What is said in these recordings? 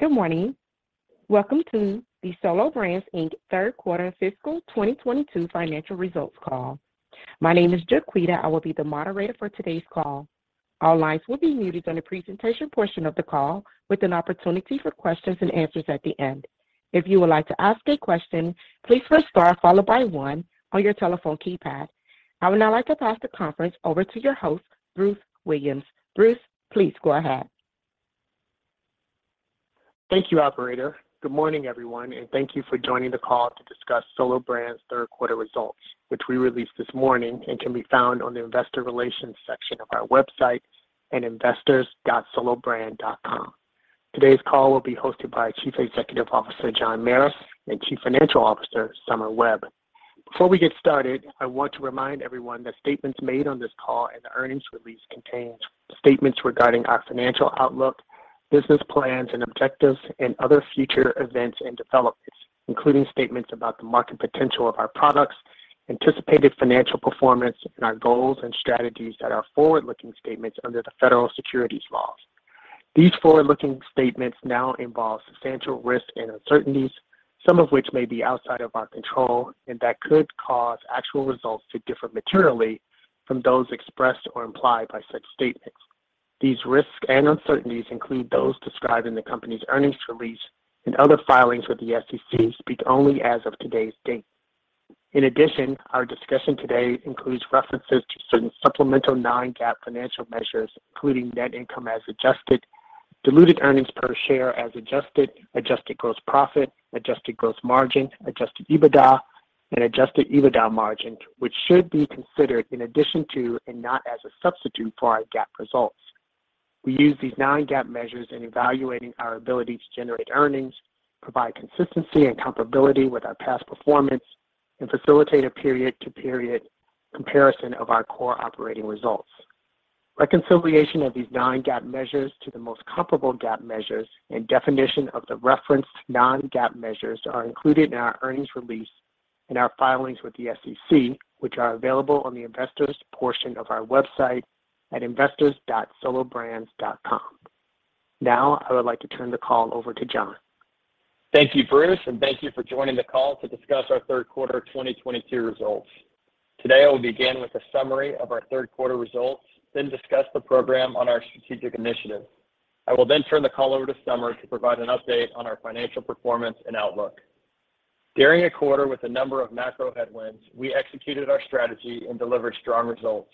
Good morning. Welcome to the Solo Brands, Inc. Third Quarter Fiscal 2022 Financial Results call. My name is Jaquita. I will be the moderator for today's call. All lines will be muted during the presentation portion of the call with an opportunity for questions and answers at the end. If you would like to ask a question, please press star followed by one on your telephone keypad. I would now like to pass the conference over to your host, Bruce Williams. Bruce, please go ahead. Thank you, operator. Good morning, everyone, and thank you for joining the call to discuss Solo Brands' third quarter results, which we released this morning and can be found on the investor relations section of our website at investors.solobrands.com. Today's call will be hosted by Chief Executive Officer, John Merris, and Chief Financial Officer, Somer Webb. Before we get started, I want to remind everyone that statements made on this call and the earnings release contains statements regarding our financial outlook, business plans and objectives, and other future events and developments, including statements about the market potential of our products, anticipated financial performance, and our goals and strategies that are forward-looking statements under the federal securities laws. These forward-looking statements now involve substantial risks and uncertainties, some of which may be outside of our control, and that could cause actual results to differ materially from those expressed or implied by such statements. These risks and uncertainties include those described in the company's earnings release and other filings with the SEC. Speak only as of today's date. In addition, our discussion today includes references to certain supplemental non-GAAP financial measures, including net income as adjusted, diluted earnings per share as adjusted, adjusted gross profit, adjusted gross margin, adjusted EBITDA, and adjusted EBITDA margin, which should be considered in addition to and not as a substitute for our GAAP results. We use these non-GAAP measures in evaluating our ability to generate earnings, provide consistency and comparability with our past performance, and facilitate a period-to-period comparison of our core operating results. Reconciliation of these non-GAAP measures to the most comparable GAAP measures and definition of the referenced non-GAAP measures are included in our earnings release and our filings with the SEC, which are available on the investors portion of our website at investors.solobrands.com. Now, I would like to turn the call over to John. Thank you, Bruce, and thank you for joining the call to discuss our third quarter 2022 results. Today, I will begin with a summary of our third quarter results, then discuss progress on our strategic initiatives. I will then turn the call over to Somer to provide an update on our financial performance and outlook. During a quarter with a number of macro headwinds, we executed our strategy and delivered strong results.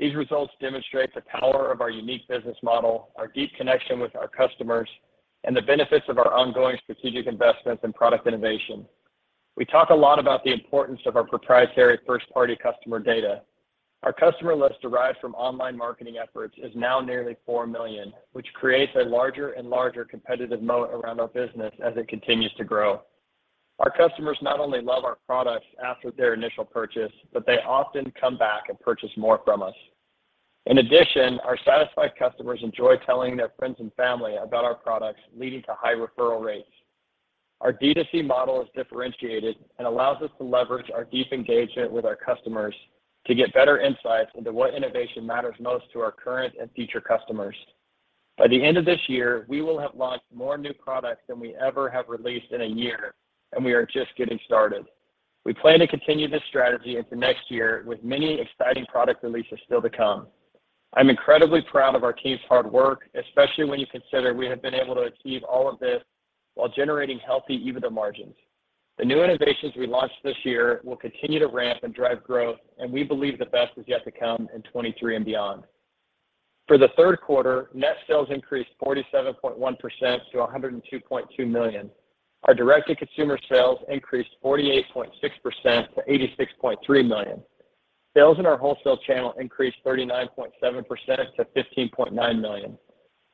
These results demonstrate the power of our unique business model, our deep connection with our customers, and the benefits of our ongoing strategic investments and product innovation. We talk a lot about the importance of our proprietary first-party customer data. Our customer list derived from online marketing efforts is now nearly 4 million, which creates a larger and larger competitive moat around our business as it continues to grow. Our customers not only love our products after their initial purchase, but they often come back and purchase more from us. In addition, our satisfied customers enjoy telling their friends and family about our products, leading to high referral rates. Our DTC model is differentiated and allows us to leverage our deep engagement with our customers to get better insights into what innovation matters most to our current and future customers. By the end of this year, we will have launched more new products than we ever have released in a year, and we are just getting started. We plan to continue this strategy into next year with many exciting product releases still to come. I'm incredibly proud of our team's hard work, especially when you consider we have been able to achieve all of this while generating healthy EBITDA margins. The new innovations we launched this year will continue to ramp and drive growth, and we believe the best is yet to come in 2023 and beyond. For the third quarter, net sales increased 47.1% to $102.2 million. Our direct-to-consumer sales increased 48.6% to $86.3 million. Sales in our wholesale channel increased 39.7% to $15.9 million.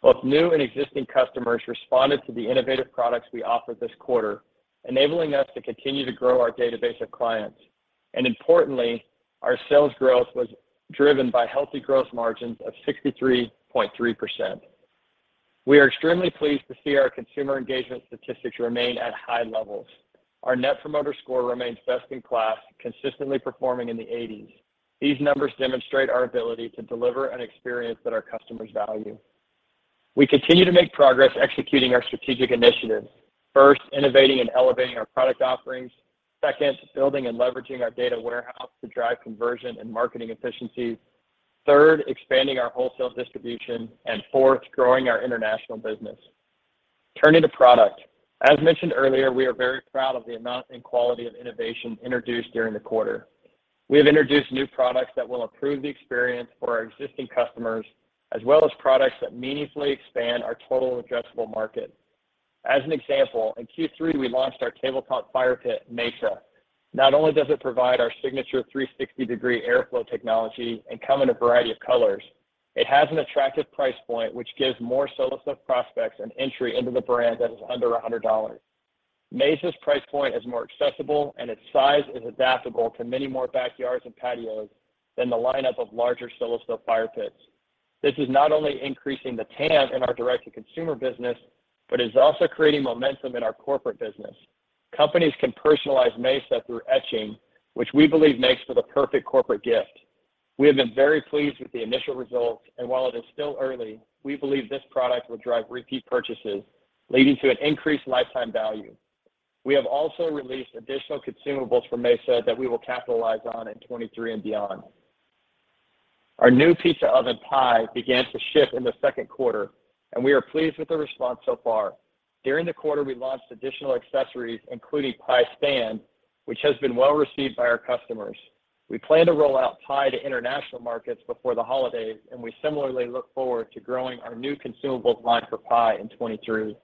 Both new and existing customers responded to the innovative products we offered this quarter, enabling us to continue to grow our database of clients. Importantly, our sales growth was driven by healthy gross margins of 63.3%. We are extremely pleased to see our consumer engagement statistics remain at high levels. Our Net Promoter Score remains best in class, consistently performing in the 80s. These numbers demonstrate our ability to deliver an experience that our customers value. We continue to make progress executing our strategic initiatives. First, innovating and elevating our product offerings. Second, building and leveraging our data warehouse to drive conversion and marketing efficiencies. Third, expanding our wholesale distribution. Fourth, growing our international business. Turning to product. As mentioned earlier, we are very proud of the amount and quality of innovation introduced during the quarter. We have introduced new products that will improve the experience for our existing customers, as well as products that meaningfully expand our total addressable market. As an example, in Q3, we launched our tabletop fire pit, Mesa. Not only does it provide our signature 360-degree airflow technology and come in a variety of colors, it has an attractive price point which gives more Solo Stove prospects an entry into the brand that is under $100. Mesa's price point is more accessible and its size is adaptable to many more backyards and patios than the lineup of larger Solo Stove fire pits. This is not only increasing the TAM in our direct-to-consumer business, but is also creating momentum in our corporate business. Companies can personalize Mesa through etching, which we believe makes for the perfect corporate gift. We have been very pleased with the initial results, and while it is still early, we believe this product will drive repeat purchases, leading to an increased lifetime value. We have also released additional consumables for Mesa that we will capitalize on in 2023 and beyond. Our new pizza oven, Pi, began to ship in the second quarter, and we are pleased with the response so far. During the quarter, we launched additional accessories, including Pi Stand, which has been well received by our customers. We plan to roll out Pi to international markets before the holidays, and we similarly look forward to growing our new consumables line for Pi in 2023.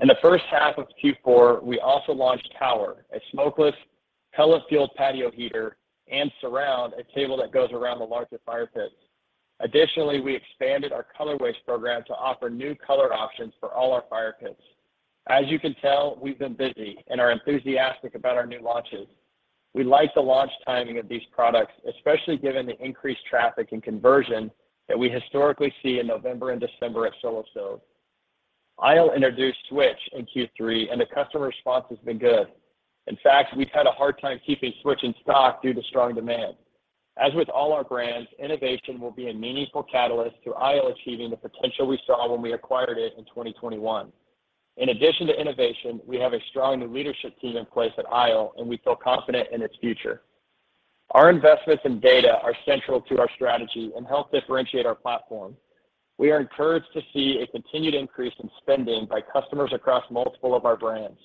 In the first half of Q4, we also launched Tower, a smokeless pellet fueled patio heater, and Surround, a table that goes around the larger fire pits. Additionally, we expanded our colorways program to offer new color options for all our fire pits. As you can tell, we've been busy and are enthusiastic about our new launches. We like the launch timing of these products, especially given the increased traffic and conversion that we historically see in November and December at Solo Stove. ISLE introduced Switch in Q3, and the customer response has been good. In fact, we've had a hard time keeping Switch in stock due to strong demand. As with all our brands, innovation will be a meaningful catalyst to ISLE achieving the potential we saw when we acquired it in 2021. In addition to innovation, we have a strong new leadership team in place at ISLE, and we feel confident in its future. Our investments in data are central to our strategy and help differentiate our platform. We are encouraged to see a continued increase in spending by customers across multiple of our brands.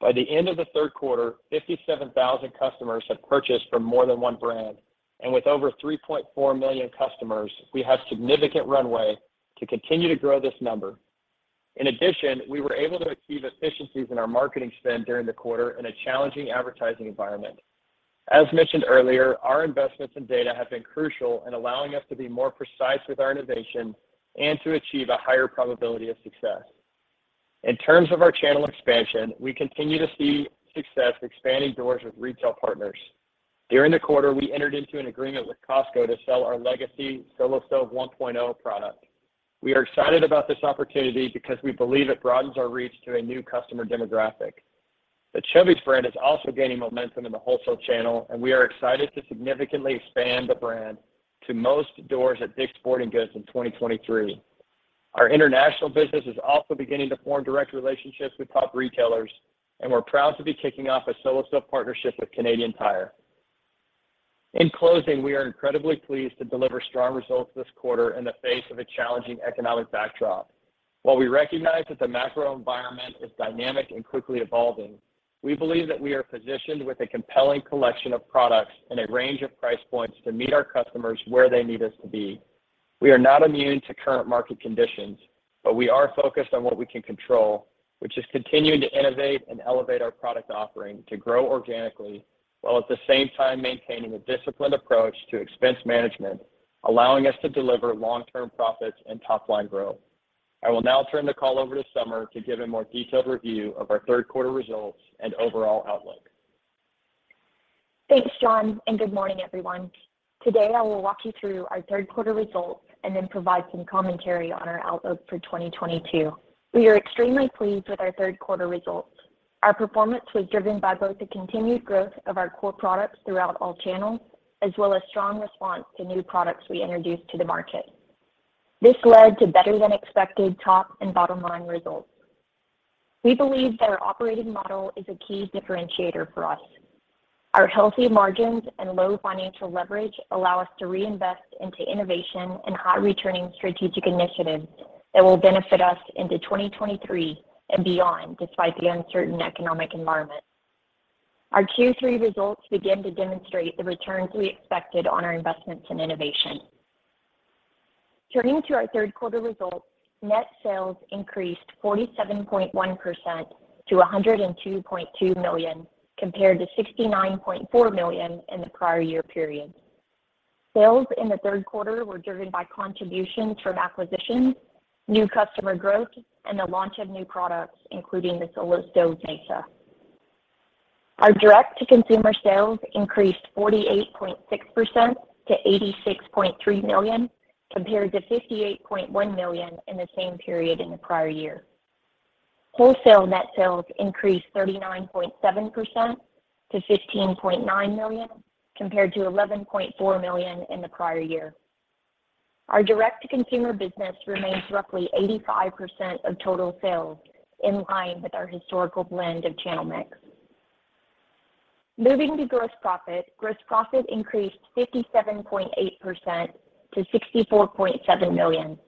By the end of the third quarter, 57,000 customers had purchased from more than one brand, and with over 3.4 million customers, we have significant runway to continue to grow this number. In addition, we were able to achieve efficiencies in our marketing spend during the quarter in a challenging advertising environment. As mentioned earlier, our investments in data have been crucial in allowing us to be more precise with our innovation and to achieve a higher probability of success. In terms of our channel expansion, we continue to see success expanding doors with retail partners. During the quarter, we entered into an agreement with Costco to sell our legacy Solo Stove 1.0 product. We are excited about this opportunity because we believe it broadens our reach to a new customer demographic. The Chubbies brand is also gaining momentum in the wholesale channel, and we are excited to significantly expand the brand to most doors at Dick's Sporting Goods in 2023. Our international business is also beginning to form direct relationships with top retailers, and we're proud to be kicking off a Solo Stove partnership with Canadian Tire. In closing, we are incredibly pleased to deliver strong results this quarter in the face of a challenging economic backdrop. While we recognize that the macro environment is dynamic and quickly evolving, we believe that we are positioned with a compelling collection of products and a range of price points to meet our customers where they need us to be. We are not immune to current market conditions, but we are focused on what we can control, which is continuing to innovate and elevate our product offering to grow organically while at the same time maintaining a disciplined approach to expense management, allowing us to deliver long-term profits and top-line growth. I will now turn the call over to Somer to give a more detailed review of our third quarter results and overall outlook. Thanks, John, and good morning, everyone. Today, I will walk you through our third quarter results and then provide some commentary on our outlook for 2022. We are extremely pleased with our third quarter results. Our performance was driven by both the continued growth of our core products throughout all channels, as well as strong response to new products we introduced to the market. This led to better than expected top and bottom line results. We believe that our operating model is a key differentiator for us. Our healthy margins and low financial leverage allow us to reinvest into innovation and high returning strategic initiatives that will benefit us into 2023 and beyond despite the uncertain economic environment. Our Q3 results begin to demonstrate the returns we expected on our investments in innovation. Turning to our third quarter results, net sales increased 47.1% to $102.2 million, compared to $69.4 million in the prior year period. Sales in the third quarter were driven by contributions from acquisitions, new customer growth, and the launch of new products, including the Solo Stove Mesa. Our direct to consumer sales increased 48.6% to $86.3 million, compared to $58.1 million in the same period in the prior year. Wholesale net sales increased 39.7% to $15.9 million, compared to $11.4 million in the prior year. Our direct to consumer business remains roughly 85% of total sales, in line with our historical blend of channel mix. Moving to gross profit. Gross profit increased 57.8% to $64.7 million.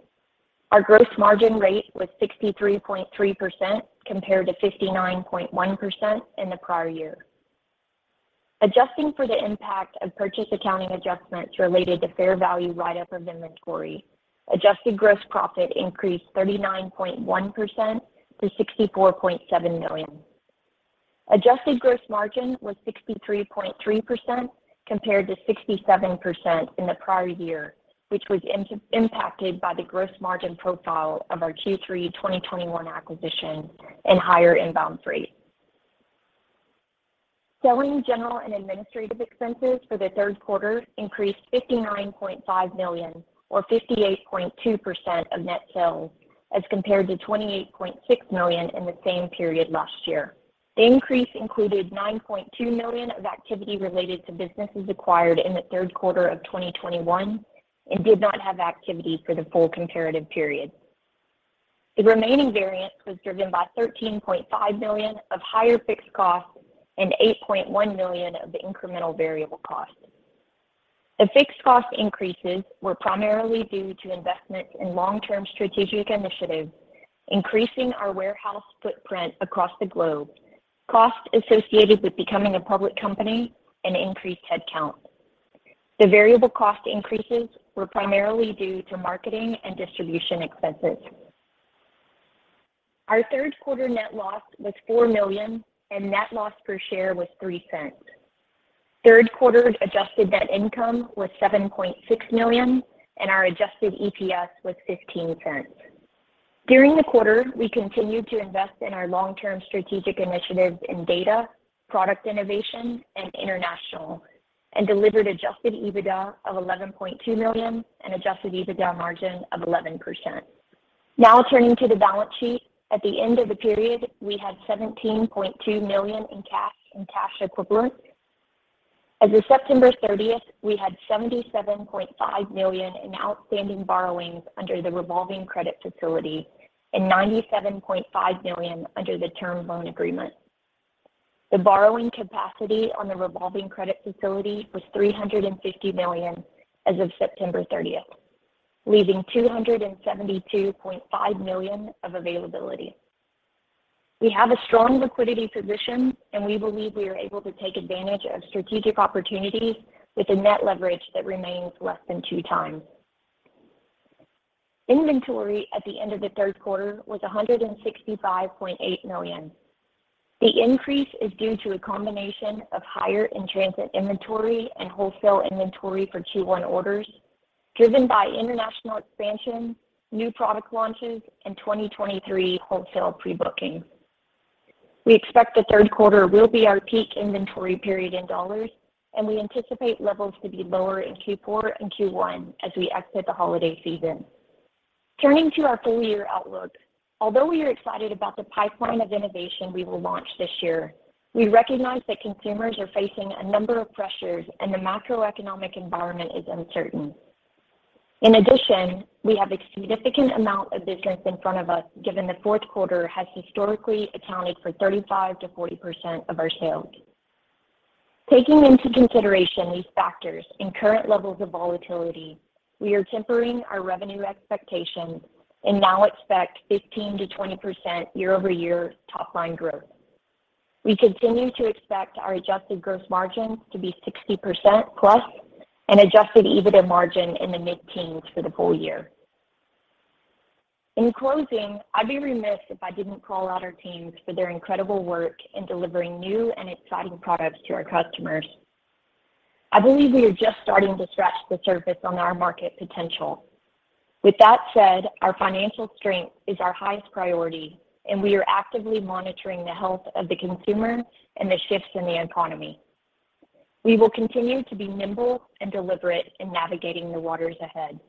Our gross margin rate was 63.3% compared to 59.1% in the prior year. Adjusting for the impact of purchase accounting adjustments related to fair value write up of inventory, adjusted gross profit increased 39.1% to $64.7 million. Adjusted gross margin was 63.3% compared to 67% in the prior year, which was impacted by the gross margin profile of our Q3 2021 acquisition and higher inbound freight. Selling, general, and administrative expenses for the third quarter increased $59.5 million or 58.2% of net sales as compared to $28.6 million in the same period last year. The increase included $9.2 million of activity related to businesses acquired in the third quarter of 2021 and did not have activity for the full comparative period. The remaining variance was driven by $13.5 million of higher fixed costs and $8.1 million of incremental variable costs. The fixed cost increases were primarily due to investments in long-term strategic initiatives, increasing our warehouse footprint across the globe, costs associated with becoming a public company, and increased headcount. The variable cost increases were primarily due to marketing and distribution expenses. Our third quarter net loss was $4 million, and net loss per share was $0.03. Third quarter adjusted net income was $7.6 million, and our adjusted EPS was $0.15. During the quarter, we continued to invest in our long-term strategic initiatives in data, product innovation, and international, and delivered adjusted EBITDA of $11.2 million and adjusted EBITDA margin of 11%. Now turning to the balance sheet. At the end of the period, we had $17.2 million in cash and cash equivalents. As of September 30th, we had $77.5 million in outstanding borrowings under the revolving credit facility and $97.5 million under the term loan agreement. The borrowing capacity on the revolving credit facility was $350 million as of September 30th, leaving $272.5 million of availability. We have a strong liquidity position, and we believe we are able to take advantage of strategic opportunities with a net leverage that remains less than 2x. Inventory at the end of the third quarter was $165.8 million. The increase is due to a combination of higher in-transit inventory and wholesale inventory for Q1 orders, driven by international expansion, new product launches, and 2023 wholesale pre-bookings. We expect the third quarter will be our peak inventory period in dollars, and we anticipate levels to be lower in Q4 and Q1 as we exit the holiday season. Turning to our full-year outlook. Although we are excited about the pipeline of innovation we will launch this year, we recognize that consumers are facing a number of pressures and the macroeconomic environment is uncertain. In addition, we have a significant amount of business in front of us, given the fourth quarter has historically accounted for 35%-40% of our sales. Taking into consideration these factors and current levels of volatility, we are tempering our revenue expectations and now expect 15%-20% year-over-year top-line growth. We continue to expect our adjusted gross margin to be 60%+ and adjusted EBITDA margin in the mid-teens for the full year. In closing, I'd be remiss if I didn't call out our teams for their incredible work in delivering new and exciting products to our customers. I believe we are just starting to scratch the surface on our market potential. With that said, our financial strength is our highest priority, and we are actively monitoring the health of the consumer and the shifts in the economy. We will continue to be nimble and deliberate in navigating the waters ahead.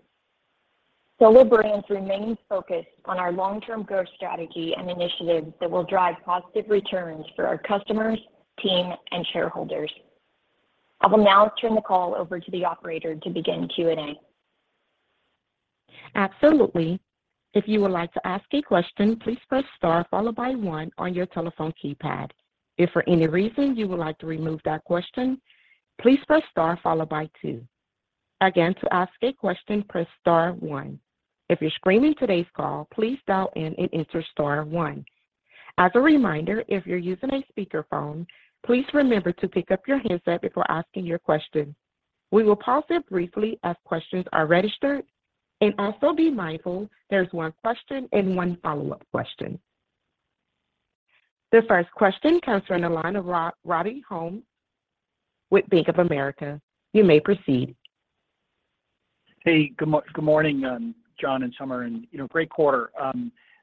Solo Brands remains focused on our long-term growth strategy and initiatives that will drive positive returns for our customers, team, and shareholders. I will now turn the call over to the operator to begin Q&A. Absolutely. If you would like to ask a question, please press star followed by one on your telephone keypad. If for any reason you would like to remove that question, please press star followed by two. Again, to ask a question, press star one. If you're screening today's call, please dial in and enter star one. As a reminder, if you're using a speakerphone, please remember to pick up your handset before asking your question. We will pause here briefly as questions are registered and also be mindful there's one question and one follow-up question. The first question comes from the line of Robbie Ohmes with Bank of America. You may proceed. Hey, good morning, John and Somer, and, you know, great quarter.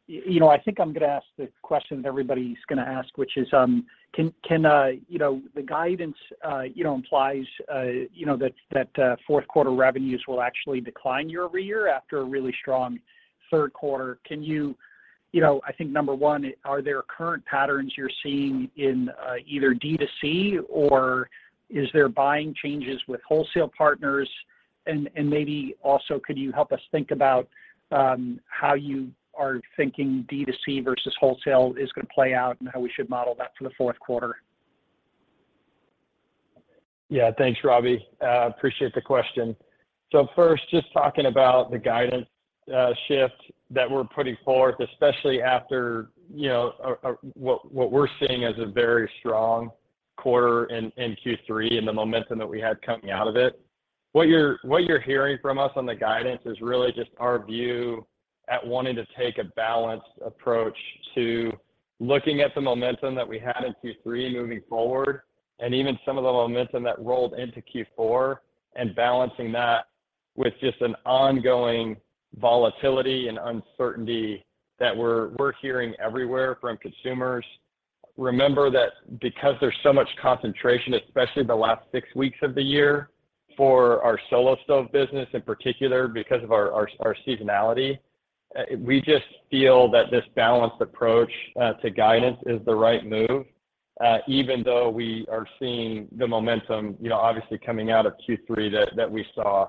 You know, I think I'm gonna ask the question that everybody's gonna ask, which is, can, you know, the guidance, you know, implies, you know, that, fourth quarter revenues will actually decline year-over-year after a really strong third quarter. You know, I think number one, are there current patterns you're seeing in, either DTC or is there buying changes with wholesale partners? And maybe also could you help us think about, how you are thinking DTC versus wholesale is gonna play out and how we should model that for the fourth quarter? Yeah. Thanks, Robbie. Appreciate the question. First, just talking about the guidance shift that we're putting forth, especially after what we're seeing as a very strong quarter in Q3 and the momentum that we had coming out of it. What you're hearing from us on the guidance is really just our view at wanting to take a balanced approach to looking at the momentum that we had in Q3 moving forward and even some of the momentum that rolled into Q4 and balancing that with just an ongoing volatility and uncertainty that we're hearing everywhere from consumers. Remember that because there's so much concentration, especially the last six weeks of the year for our Solo Stove business in particular because of our seasonality. We just feel that this balanced approach to guidance is the right move, even though we are seeing the momentum, you know, obviously coming out of Q3 that we saw.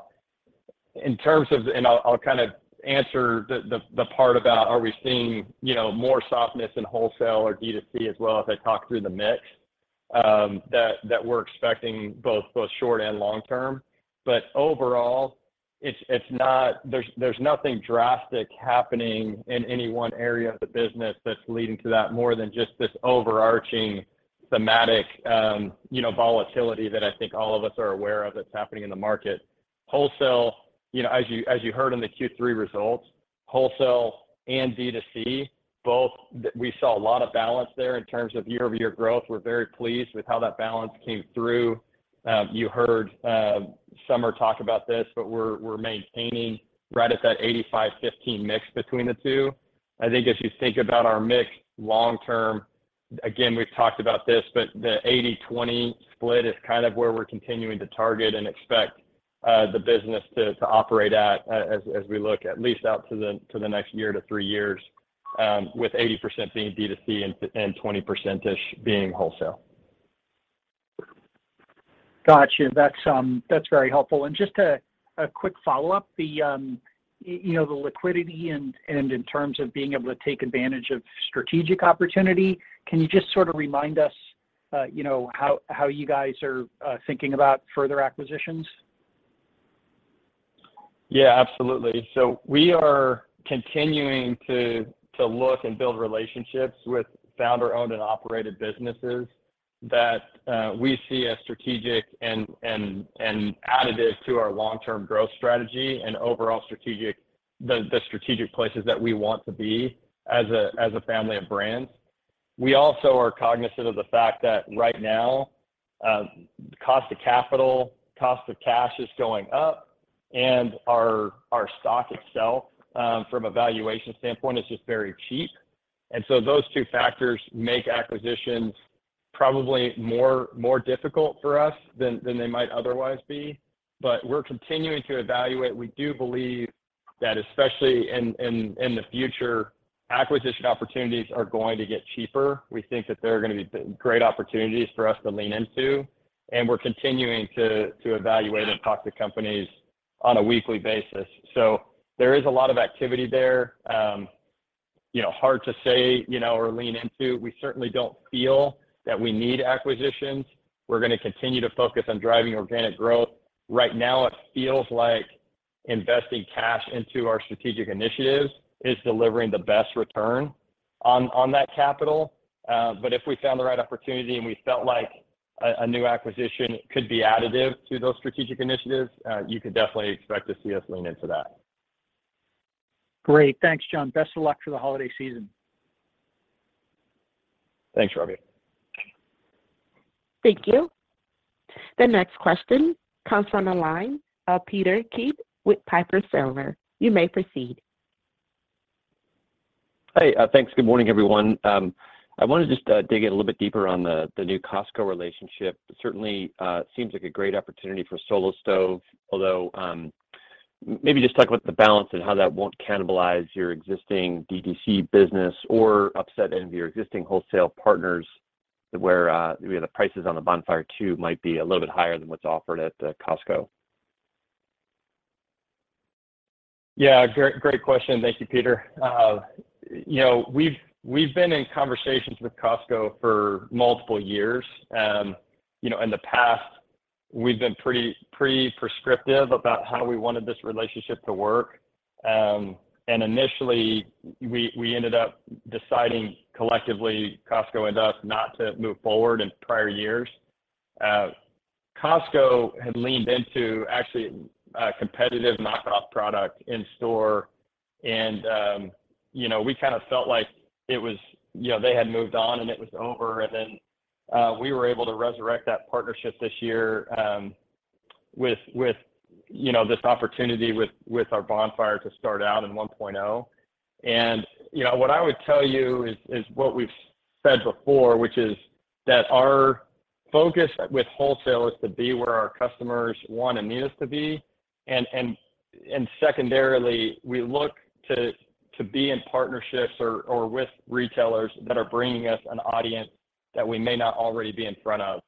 In terms of, I'll kind of answer the part about are we seeing, you know, more softness in wholesale or DTC as well as I talk through the mix, that we're expecting both short and long term. But overall, it's not. There's nothing drastic happening in any one area of the business that's leading to that more than just this overarching thematic, you know, volatility that I think all of us are aware of that's happening in the market. Wholesale, you know, as you heard in the Q3 results, wholesale and DTC both, we saw a lot of balance there in terms of year-over-year growth. We're very pleased with how that balance came through. You heard Somer talk about this, but we're maintaining right at that 85/15 mix between the two. I think as you think about our mix long term, again, we've talked about this, but the 80/20 split is kind of where we're continuing to target and expect the business to operate as we look at least out to the next year to three years, with 80% being DTC and 20%-ish being wholesale. Gotcha. That's very helpful. Just a quick follow-up. You know, the liquidity and in terms of being able to take advantage of strategic opportunity, can you just sort of remind us, you know, how you guys are thinking about further acquisitions? Yeah, absolutely. We are continuing to look and build relationships with founder-owned and operated businesses that we see a strategic and additive to our long-term growth strategy and overall strategic places that we want to be as a family of brands. We also are cognizant of the fact that right now, cost of capital, cost of cash is going up, and our stock itself, from a valuation standpoint is just very cheap. Those two factors make acquisitions probably more difficult for us than they might otherwise be. We're continuing to evaluate. We do believe that especially in the future, acquisition opportunities are going to get cheaper. We think that there are gonna be great opportunities for us to lean into, and we're continuing to evaluate and talk to companies on a weekly basis. There is a lot of activity there. You know, hard to say, you know, or lean into. We certainly don't feel that we need acquisitions. We're gonna continue to focus on driving organic growth. Right now it feels like investing cash into our strategic initiatives is delivering the best return on that capital. If we found the right opportunity and we felt like a new acquisition could be additive to those strategic initiatives, you could definitely expect to see us lean into that. Great. Thanks, John. Best of luck for the holiday season. Thanks, Robbie. Thank you. The next question comes from the line of Peter Keith with Piper Sandler. You may proceed. Hey. Thanks. Good morning, everyone. I wanted to just dig in a little bit deeper on the new Costco relationship. It certainly seems like a great opportunity for Solo Stove, although maybe just talk about the balance and how that won't cannibalize your existing DTC business or upset any of your existing wholesale partners where, you know, the prices on the Bonfire 2 might be a little bit higher than what's offered at Costco. Yeah, great question. Thank you, Peter. You know, we've been in conversations with Costco for multiple years. You know, in the past we've been pretty prescriptive about how we wanted this relationship to work. Initially we ended up deciding collectively, Costco and us, not to move forward in prior years. Costco had leaned into actually a competitive knockoff product in store and, you know, we kind of felt like it was, you know, they had moved on and it was over. Then, we were able to resurrect that partnership this year, with you know, this opportunity with our Bonfire to start out in 1.0. You know, what I would tell you is what we've said before, which is that our focus with wholesale is to be where our customers want and need us to be, and secondarily, we look to be in partnerships or with retailers that are bringing us an audience that we may not already be in front of.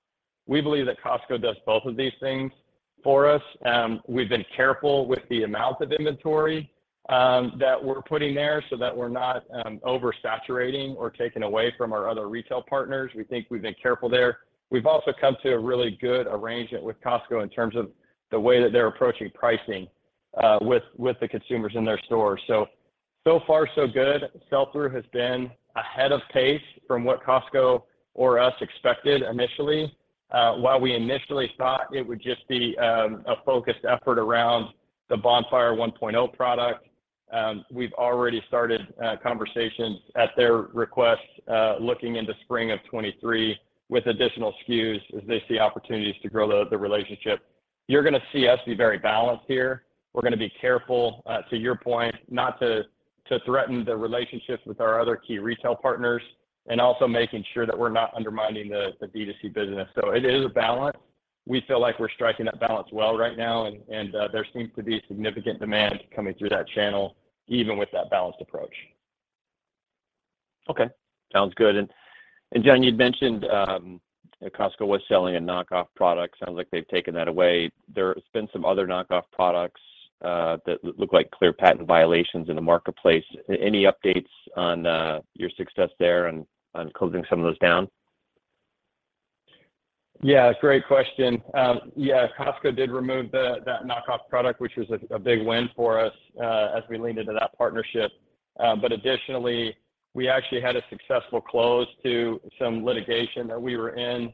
We believe that Costco does both of these things for us. We've been careful with the amount of inventory that we're putting there so that we're not oversaturating or taking away from our other retail partners. We think we've been careful there. We've also come to a really good arrangement with Costco in terms of the way that they're approaching pricing with the consumers in their stores. So far so good. Sell-through has been ahead of pace from what Costco or us expected initially. While we initially thought it would just be a focused effort around the Bonfire 1.0 product, we've already started conversations at their request looking into spring of 2023 with additional SKUs as they see opportunities to grow the relationship. You're gonna see us be very balanced here. We're gonna be careful, to your point, not to threaten the relationships with our other key retail partners, and also making sure that we're not undermining the DTC business. It is a balance. We feel like we're striking that balance well right now, and there seems to be significant demand coming through that channel even with that balanced approach. Okay. Sounds good. John, you'd mentioned that Costco was selling a knockoff product. Sounds like they've taken that away. There's been some other knockoff products that look like clear patent violations in the marketplace. Any updates on your success there on closing some of those down? Yeah, great question. Yeah, Costco did remove that knockoff product, which was a big win for us, as we leaned into that partnership. Additionally, we actually had a successful close to some litigation that we were in,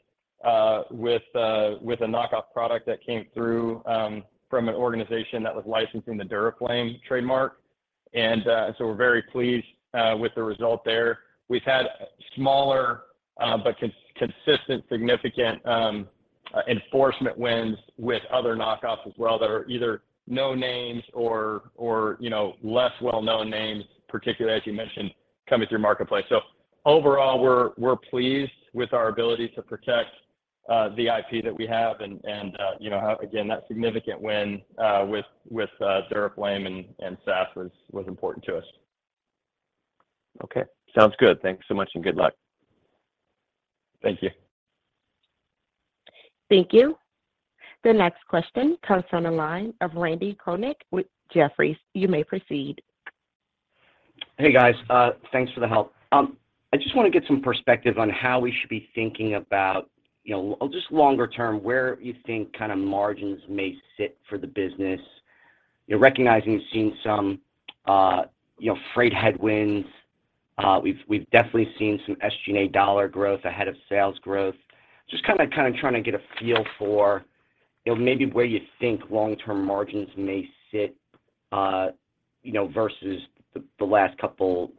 with a knockoff product that came through, from an organization that was licensing the Duraflame trademark. We're very pleased with the result there. We've had smaller, but consistent, significant enforcement wins with other knockoffs as well that are either no names or, you know, less well-known names, particularly as you mentioned, coming through marketplace. Overall, we're pleased with our ability to protect the IP that we have and, you know, again, that significant win with Duraflame and SAS was important to us. Okay. Sounds good. Thanks so much, and good luck. Thank you. Thank you. The next question comes from the line of Randy Konik with Jefferies. You may proceed. Hey, guys. Thanks for the help. I just wanna get some perspective on how we should be thinking about, you know, just longer term, where you think kind of margins may sit for the business. You know, recognizing seeing some, you know, freight headwinds. We've definitely seen some SG&A dollar growth ahead of sales growth. Just kinda trying to get a feel for, you know, maybe where you think long-term margins may sit, you know, versus the last couple,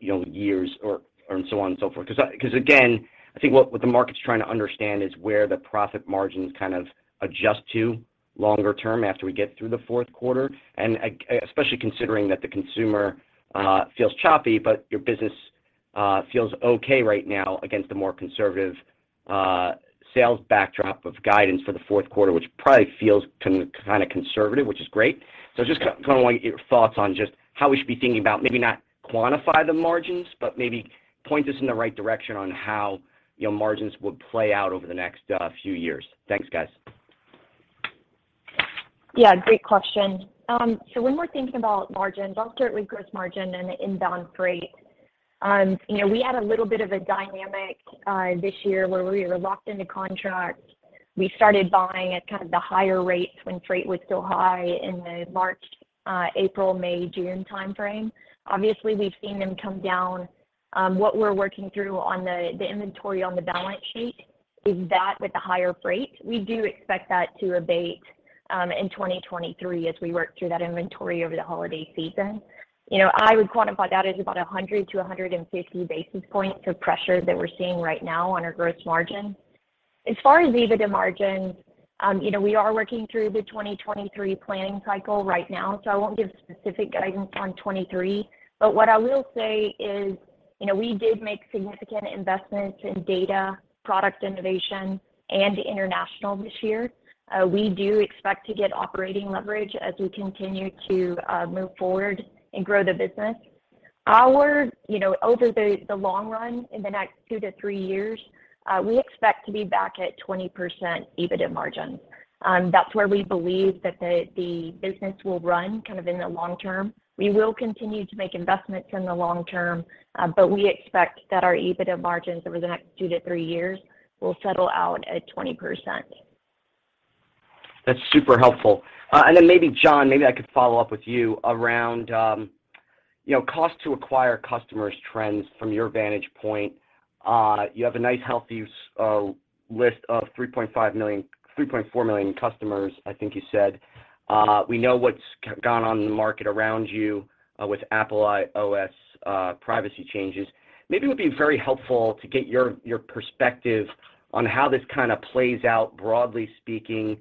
you know, years or so on and so forth. 'Cause again, I think what the market's trying to understand is where the profit margins kind of adjust to longer term after we get through the fourth quarter, and especially considering that the consumer feels choppy, but your business feels okay right now against the more conservative sales backdrop of guidance for the fourth quarter, which probably feels kind of conservative, which is great. So just kind of want your thoughts on just how we should be thinking about maybe not quantify the margins, but maybe point us in the right direction on how, you know, margins will play out over the next few years. Thanks, guys. Yeah, great question. So when we're thinking about margins, I'll start with gross margin and inbound freight. You know, we had a little bit of a dynamic this year where we were locked into contracts. We started buying at kind of the higher rates when freight was still high in the March, April, May, June timeframe. Obviously, we've seen them come down. What we're working through on the inventory on the balance sheet is that with the higher freight, we do expect that to abate in 2023 as we work through that inventory over the holiday season. You know, I would quantify that as about 100-150 basis points of pressure that we're seeing right now on our gross margin. As far as EBITDA margins, you know, we are working through the 2023 planning cycle right now, so I won't give specific guidance on 2023. What I will say is, you know, we did make significant investments in data, product innovation, and international this year. We do expect to get operating leverage as we continue to move forward and grow the business. You know, over the long run in the next two to three years, we expect to be back at 20% EBITDA margins. That's where we believe that the business will run kind of in the long term. We will continue to make investments in the long term, but we expect that our EBITDA margins over the next two to three years will settle out at 20%. That's super helpful. Maybe John, I could follow up with you around, you know, cost to acquire customers trends from your vantage point. You have a nice healthy list of 3.5 million, 3.4 million customers, I think you said. We know what's gone on in the market around you with Apple iOS privacy changes. Maybe it would be very helpful to get your perspective on how this kind of plays out, broadly speaking,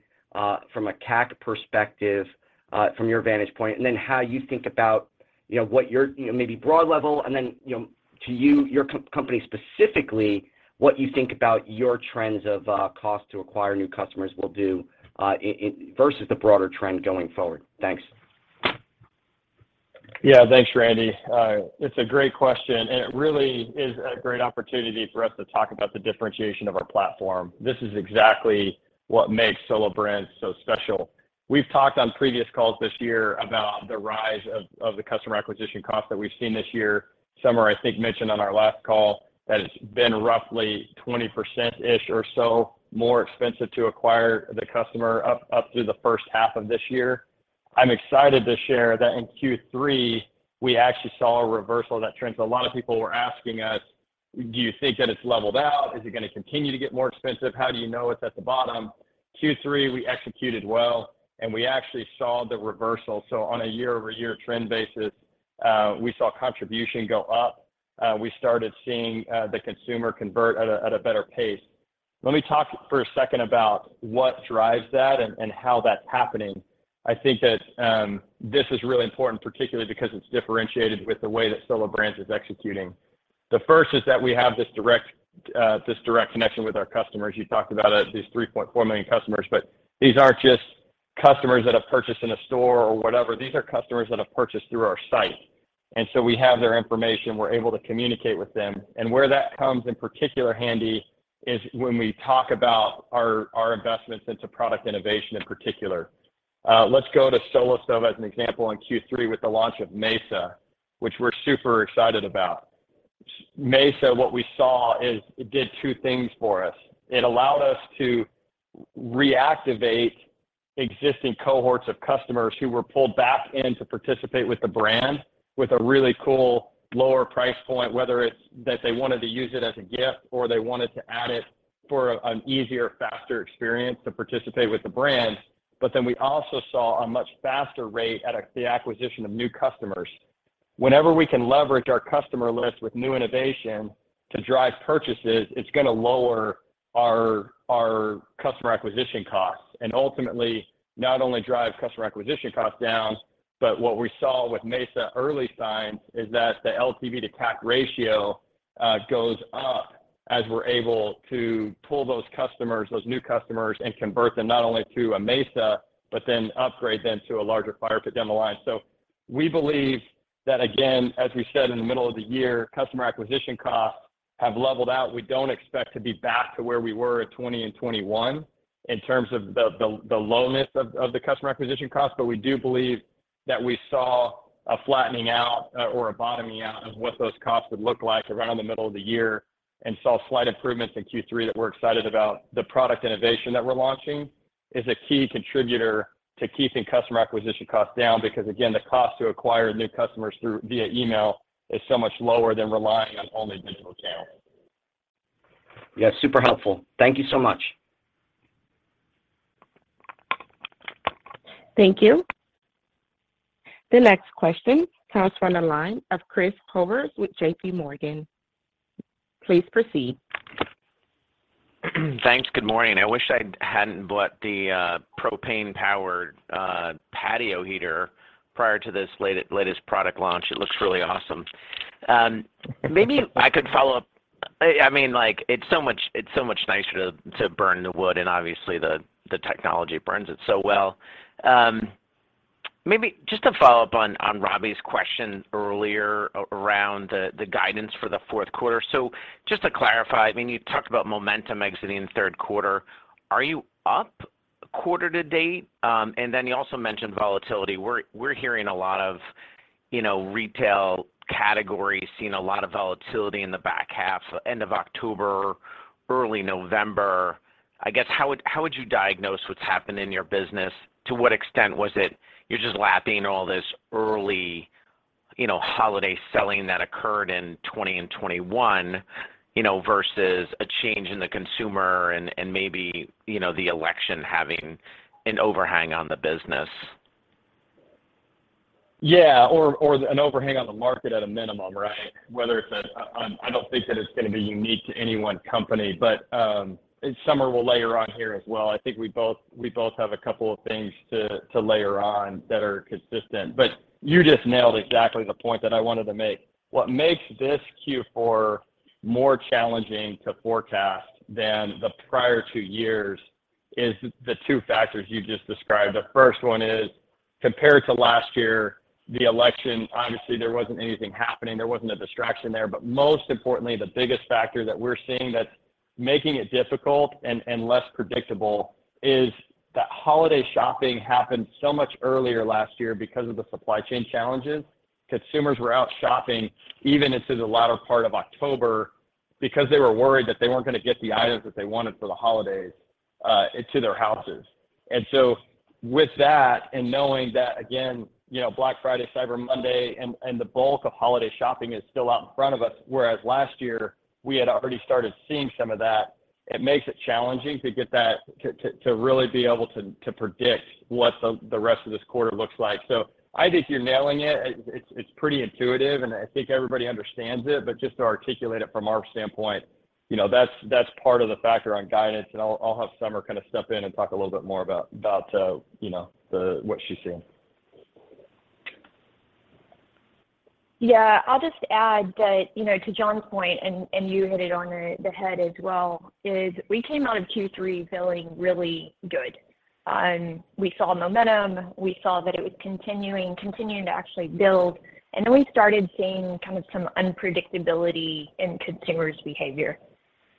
from a CAC perspective, from your vantage point, and then how you think about, you know, what your, you know, maybe broad level, and then, you know, to you, your company specifically, what you think about your trends of cost to acquire new customers will do in versus the broader trend going forward. Thanks. Yeah. Thanks, Randy. It's a great question, and it really is a great opportunity for us to talk about the differentiation of our platform. This is exactly what makes Solo Brands so special. We've talked on previous calls this year about the rise of the customer acquisition cost that we've seen this year. Somer, I think, mentioned on our last call that it's been roughly 20%-ish or so more expensive to acquire the customer up through the first half of this year. I'm excited to share that in Q3, we actually saw a reversal of that trend. A lot of people were asking us, "Do you think that it's leveled out? Is it gonna continue to get more expensive? How do you know it's at the bottom?" Q3, we executed well, and we actually saw the reversal. On a year-over-year trend basis, we saw contribution go up. We started seeing the consumer convert at a better pace. Let me talk for a second about what drives that and how that's happening. I think that this is really important, particularly because it's differentiated with the way that Solo Brands is executing. The first is that we have this direct connection with our customers. You talked about these 3.4 million customers, but these aren't just customers that have purchased in a store or whatever. These are customers that have purchased through our site. We have their information, we're able to communicate with them. Where that comes in particular handy is when we talk about our investments into product innovation in particular. Let's go to Solo Stove as an example in Q3 with the launch of Mesa, which we're super excited about. Mesa, what we saw is it did two things for us. It allowed us to reactivate existing cohorts of customers who were pulled back in to participate with the brand with a really cool lower price point, whether it's that they wanted to use it as a gift or they wanted to add it for an easier, faster experience to participate with the brand. We also saw a much faster rate at the acquisition of new customers. Whenever we can leverage our customer list with new innovation to drive purchases, it's gonna lower our customer acquisition costs. Ultimately, not only drive customer acquisition costs down, but what we saw with Mesa early signs is that the LTV to CAC ratio goes up as we're able to pull those customers, those new customers, and convert them not only to a Mesa, but then upgrade them to a larger fire pit down the line. We believe that, again, as we said in the middle of the year, customer acquisition costs have leveled out. We don't expect to be back to where we were at 2020 and 2021 in terms of the lowness of the customer acquisition costs. We do believe that we saw a flattening out or a bottoming out of what those costs would look like around the middle of the year and saw slight improvements in Q3 that we're excited about. The product innovation that we're launching is a key contributor to keeping customer acquisition costs down because, again, the cost to acquire new customers through via email is so much lower than relying on only digital channels. Yeah, super helpful. Thank you so much. Thank you. The next question comes from the line of Chris Horvers with JPMorgan. Please proceed. Thanks. Good morning. I wish I hadn't bought the propane powered patio heater prior to this latest product launch. It looks really awesome. Maybe I could follow up. I mean, like, it's so much nicer to burn the wood and obviously the technology burns it so well. Maybe just to follow up on Robbie's question earlier around the guidance for the fourth quarter. Just to clarify, I mean, you talked about momentum exiting third quarter. Are you up quarter to date? You also mentioned volatility. We're hearing a lot of, you know, retail categories seeing a lot of volatility in the back half, end of October, early November. I guess, how would you diagnose what's happened in your business? To what extent was it you're just lapping all this early, you know, holiday selling that occurred in 2020 and 2021, you know, versus a change in the consumer and maybe, you know, the election having an overhang on the business? Yeah. An overhang on the market at a minimum, right? I don't think that it's gonna be unique to any one company. Somer will layer on here as well. I think we both have a couple of things to layer on that are consistent. You just nailed exactly the point that I wanted to make. What makes this Q4 more challenging to forecast than the prior two years is the two factors you just described. The first one is compared to last year, the election. Obviously there wasn't anything happening. There wasn't a distraction there. Most importantly, the biggest factor that we're seeing that's making it difficult and less predictable is that holiday shopping happened so much earlier last year because of the supply chain challenges. Consumers were out shopping even into the latter part of October because they were worried that they weren't gonna get the items that they wanted for the holidays to their houses. With that and knowing that again, you know, Black Friday, Cyber Monday and the bulk of holiday shopping is still out in front of us, whereas last year we had already started seeing some of that, it makes it challenging to get that to really be able to predict what the rest of this quarter looks like. I think you're nailing it. It's pretty intuitive, and I think everybody understands it. Just to articulate it from our standpoint, you know, that's part of the factor on guidance. I'll have Somer kind of step in and talk a little bit more about what she's seeing. Yeah. I'll just add that, you know, to John's point, and you hit it on the head as well, is we came out of Q3 feeling really good. We saw momentum. We saw that it was continuing to actually build. Then we started seeing kind of some unpredictability in consumers' behavior.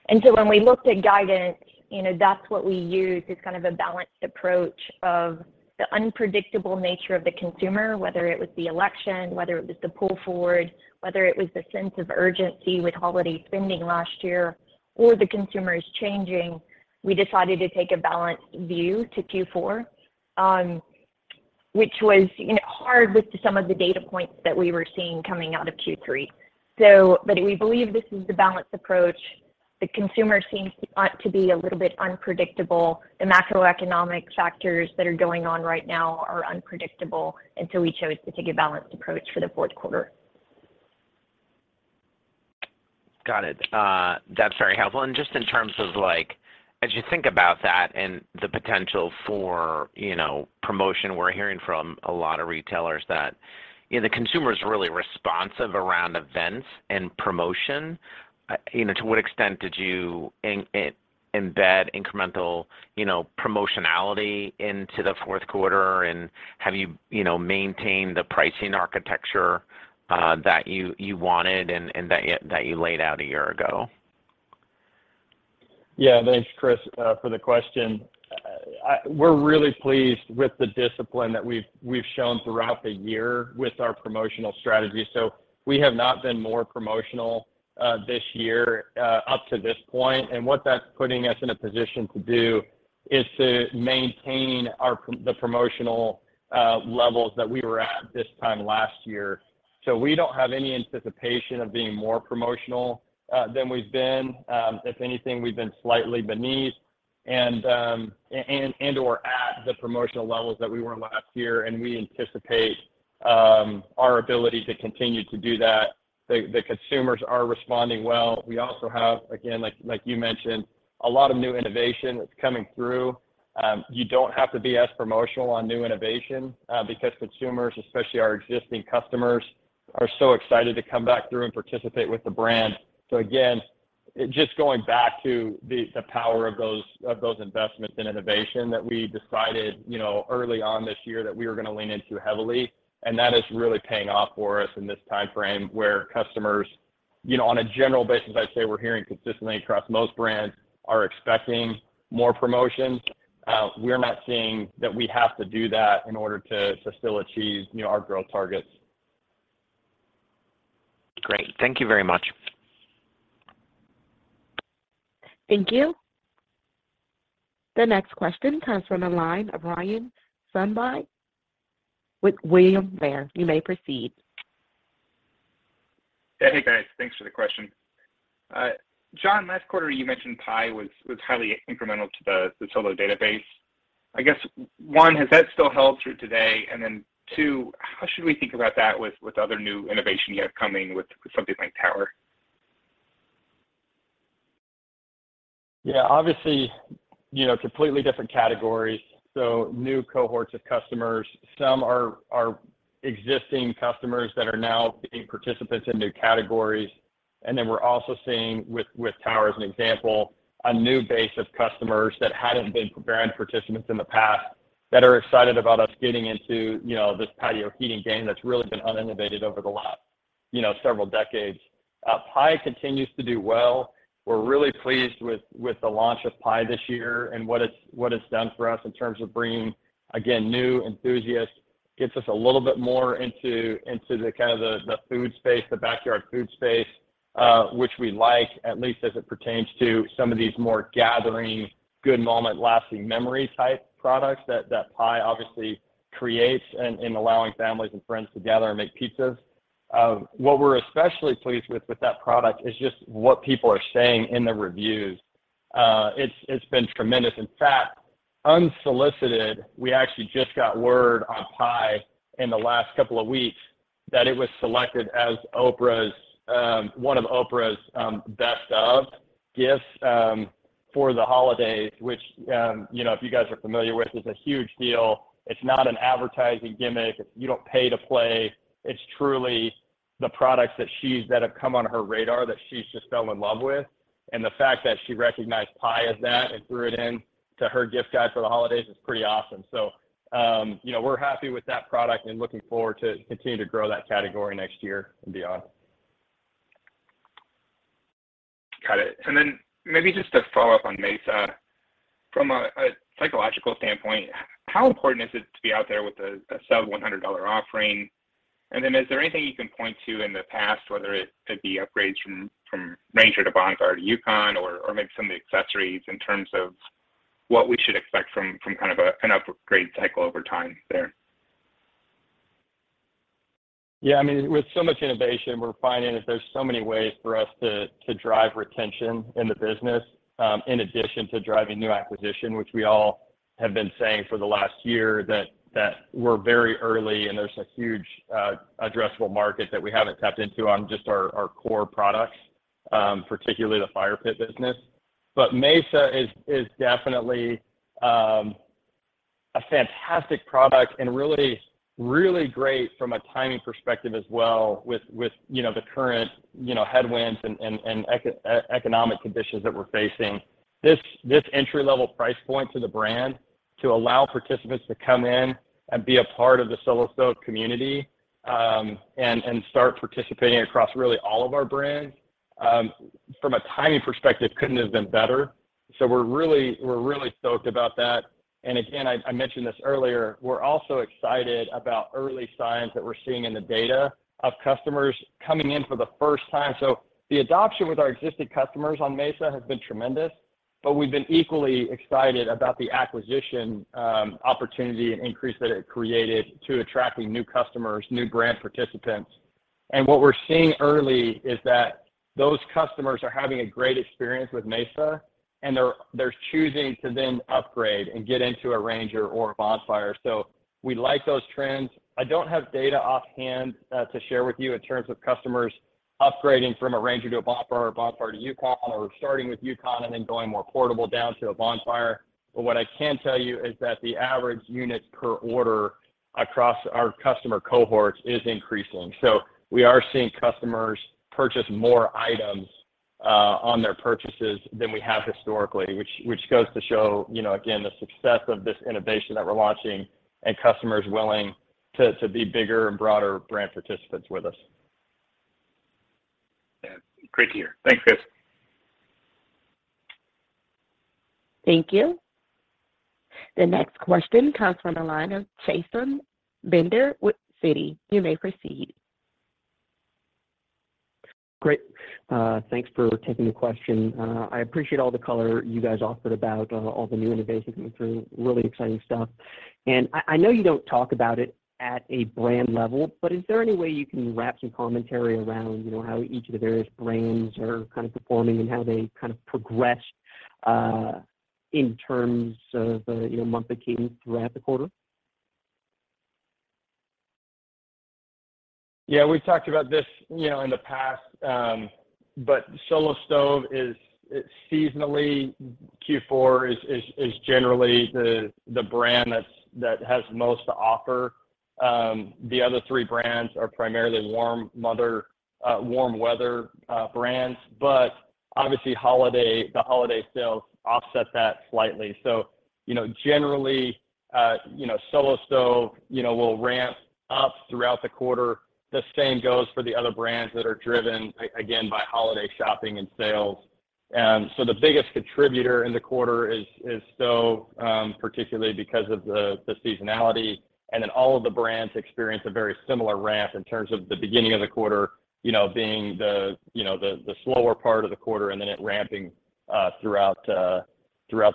When we looked at guidance, you know, that's what we used. It's kind of a balanced approach of the unpredictable nature of the consumer, whether it was the election, whether it was the pull forward, whether it was the sense of urgency with holiday spending last year or the consumers changing. We decided to take a balanced view to Q4, which was, you know, hard with some of the data points that we were seeing coming out of Q3. We believe this is the balanced approach. The consumer seems to be a little bit unpredictable. The macroeconomic factors that are going on right now are unpredictable, and so we chose to take a balanced approach for the fourth quarter. Got it. That's very helpful. Just in terms of like, as you think about that and the potential for, you know, promotion, we're hearing from a lot of retailers that, you know, the consumer is really responsive around events and promotion. You know, to what extent did you embed incremental, you know, promotionality into the fourth quarter? And have you know, maintained the pricing architecture, that you wanted and that you laid out a year ago? Yeah. Thanks, Chris, for the question. We're really pleased with the discipline that we've shown throughout the year with our promotional strategy. We have not been more promotional this year up to this point. What that's putting us in a position to do is to maintain our promotional levels that we were at this time last year. We don't have any anticipation of being more promotional than we've been. If anything, we've been slightly beneath and/or at the promotional levels that we were last year. We anticipate our ability to continue to do that. The consumers are responding well. We also have, again, like you mentioned, a lot of new innovation that's coming through. You don't have to be as promotional on new innovation, because consumers, especially our existing customers, are so excited to come back through and participate with the brand. Again, just going back to the power of those investments in innovation that we decided, you know, early on this year that we were gonna lean into heavily, and that is really paying off for us in this timeframe where customers, you know, on a general basis, I'd say we're hearing consistently across most brands are expecting more promotions. We're not seeing that we have to do that in order to still achieve, you know, our growth targets. Great. Thank you very much. Thank you. The next question comes from the line of Ryan Sundby with William Blair. You may proceed. Yeah. Hey, guys. Thanks for the question. John, last quarter you mentioned Pi was highly incremental to the Solo database. I guess, one, has that still held true today? Two, how should we think about that with other new innovation you have coming with something like Tower? Yeah, obviously, you know, completely different categories, so new cohorts of customers. Some are existing customers that are now being participants in new categories. Then we're also seeing with Tower as an example, a new base of customers that hadn't been brand participants in the past that are excited about us getting into, you know, this patio heating game that's really been uninnovated over the last, you know, several decades. Pi continues to do well. We're really pleased with the launch of Pi this year and what it's done for us in terms of bringing, again, new enthusiasts, gets us a little bit more into the kind of the food space, the backyard food space, which we like, at least as it pertains to some of these more gathering, good moment, lasting memory type products that Pi obviously creates in allowing families and friends to gather and make pizzas. What we're especially pleased with that product is just what people are saying in the reviews. It's been tremendous. In fact, unsolicited, we actually just got word on Pi in the last couple of weeks that it was selected as one of Oprah's best of gifts for the holidays, which, you know, if you guys are familiar with, is a huge deal. It's not an advertising gimmick. You don't pay to play. It's truly the products that she have come on her radar that she's just fell in love with. The fact that she recognized Pi as that and threw it in to her gift guide for the holidays is pretty awesome. You know, we're happy with that product and looking forward to continue to grow that category next year and beyond. Got it. Maybe just to follow up on Mesa. From a psychological standpoint, how important is it to be out there with a sub $100 offering? Is there anything you can point to in the past, whether it could be upgrades from Ranger to Bonfire to Yukon or maybe some of the accessories in terms of what we should expect from kind of an upgrade cycle over time there? Yeah, I mean, with so much innovation, we're finding that there's so many ways for us to drive retention in the business, in addition to driving new acquisition, which we all have been saying for the last year that we're very early and there's a huge addressable market that we haven't tapped into on just our core products, particularly the fire pit business. But Mesa is definitely a fantastic product and really, really great from a timing perspective as well with, you know, the current, you know, headwinds and economic conditions that we're facing. This entry level price point to the brand to allow participants to come in and be a part of the Solo Stove community, and start participating across really all of our brands, from a timing perspective couldn't have been better. We're really stoked about that. Again, I mentioned this earlier, we're also excited about early signs that we're seeing in the data of customers coming in for the first time. The adoption with our existing customers on Mesa has been tremendous, but we've been equally excited about the acquisition opportunity and increase that it created to attracting new customers, new brand participants. What we're seeing early is that those customers are having a great experience with Mesa, and they're choosing to then upgrade and get into a Ranger or a Bonfire. We like those trends. I don't have data offhand to share with you in terms of customers upgrading from a Ranger to a Bonfire, or a Bonfire to Yukon, or starting with Yukon and then going more portable down to a Bonfire. What I can tell you is that the average unit per order across our customer cohorts is increasing. We are seeing customers purchase more items on their purchases than we have historically, which goes to show, you know, again, the success of this innovation that we're launching and customers willing to be bigger and broader brand participants with us. Yeah. Great to hear. Thanks, [Merris]. Thank you. The next question comes from the line of Chasen Bender with Citi. You may proceed. Great. Thanks for taking the question. I appreciate all the color you guys offered about, all the new innovation coming through. Really exciting stuff. I know you don't talk about it at a brand level, but is there any way you can wrap some commentary around, you know, how each of the various brands are kind of performing and how they kind of progressed, in terms of, you know, month to month throughout the quarter? Yeah. We've talked about this, you know, in the past, but Solo Stove is seasonally. Q4 is generally the brand that has most to offer. The other three brands are primarily warm weather brands. Obviously holiday, the holiday sales offset that slightly. You know, generally, you know, Solo Stove will ramp up throughout the quarter. The same goes for the other brands that are driven again by holiday shopping and sales. The biggest contributor in the quarter is Stove, particularly because of the seasonality, and then all of the brands experience a very similar ramp in terms of the beginning of the quarter, you know, being the slower part of the quarter, and then it ramping throughout the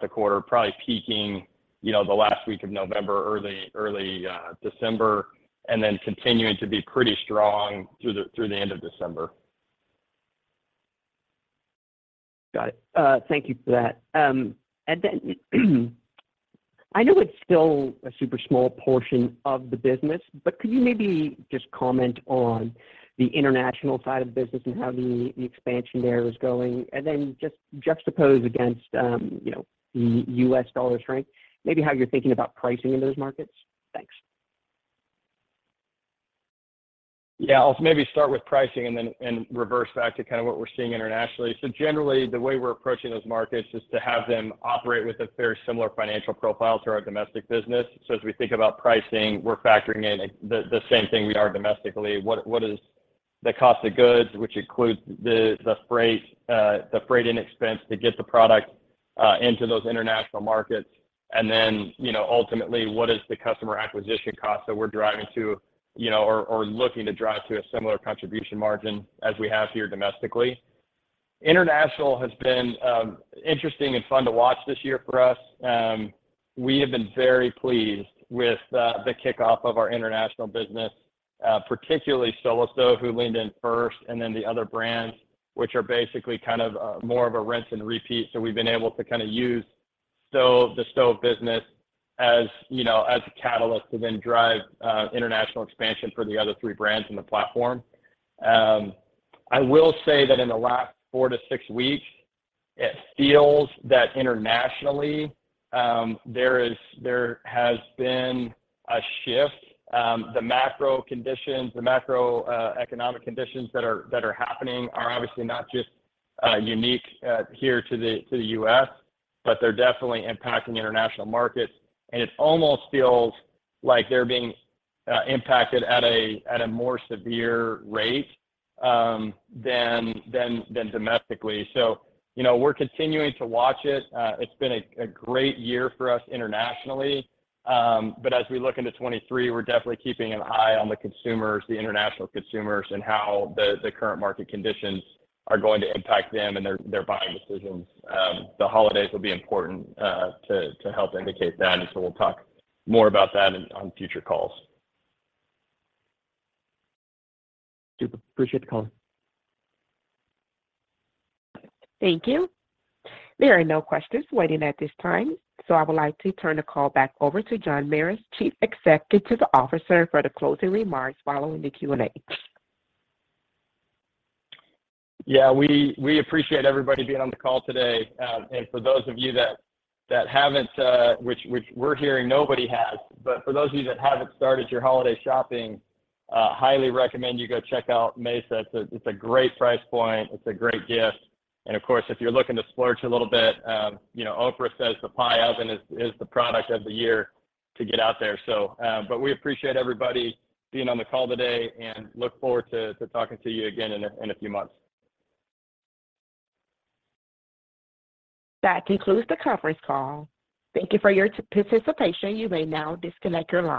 quarter, probably peaking, you know, the last week of November or early December, and then continuing to be pretty strong through the end of December. Got it. Thank you for that. I know it's still a super small portion of the business, but could you maybe just comment on the international side of the business and how the expansion there is going? Just juxtapose against, you know, U.S. dollar strength, maybe how you're thinking about pricing in those markets. Thanks. Yeah. I'll maybe start with pricing and then reverse back to kind of what we're seeing internationally. Generally, the way we're approaching those markets is to have them operate with a very similar financial profile to our domestic business. As we think about pricing, we're factoring in the same thing we are domestically. What is the cost of goods, which includes the freight-in expense to get the product into those international markets, and then, you know, ultimately, what is the customer acquisition cost that we're driving to, you know, or looking to drive to a similar contribution margin as we have here domestically. International has been interesting and fun to watch this year for us. We have been very pleased with the kickoff of our international business, particularly Solo Stove, who leaned in first, and then the other brands, which are basically kind of more of a rinse and repeat. We've been able to kind of use the Stove business as, you know, as a catalyst to then drive international expansion for the other three brands in the platform. I will say that in the last four to six weeks, it feels that internationally there has been a shift. The macro conditions, the macroeconomic conditions that are happening are obviously not just unique here to the U.S., but they're definitely impacting international markets. It almost feels like they're being impacted at a more severe rate than domestically. You know, we're continuing to watch it. It's been a great year for us internationally. As we look into 2023, we're definitely keeping an eye on the consumers, the international consumers, and how the current market conditions are going to impact them and their buying decisions. The holidays will be important to help indicate that, and we'll talk more about that on future calls. Super. Appreciate the call. Thank you. There are no questions waiting at this time, so I would like to turn the call back over to John Merris, Chief Executive Officer, for the closing remarks following the Q&A. Yeah. We appreciate everybody being on the call today. For those of you that haven't, which we're hearing nobody has, but for those of you that haven't started your holiday shopping, highly recommend you go check out Mesa. It's a great price point. It's a great gift. Of course, if you're looking to splurge a little bit, you know, Oprah says the Pi oven is the product of the year to get out there. We appreciate everybody being on the call today and look forward to talking to you again in a few months. That concludes the conference call. Thank you for your participation. You may now disconnect your line.